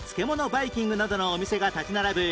バイキングなどのお店が立ち並ぶ